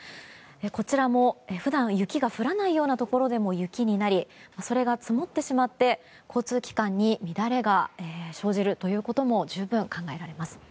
こちらも普段雪が降らないようなところでも雪になりそれが積もってしまって交通機関に乱れが生じるということも十分考えられます。